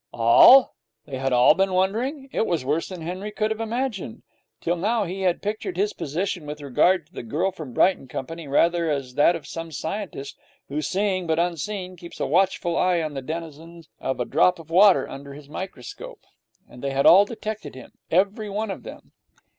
All! They had all been wondering! It was worse than Henry could have imagined. Till now he had pictured his position with regard to 'The Girl From Brighton' company rather as that of some scientist who, seeing but unseen, keeps a watchful eye on the denizens of a drop of water under his microscope. And they had all detected him every one of them.